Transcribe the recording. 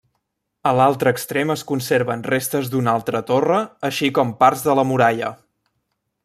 A l'altre extrem es conserven restes d'una altra torre, així com parts de la muralla.